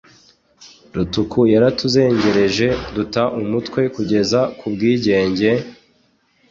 rutuku yaratuzengereje duta umutwe kugeza ku bwigenge,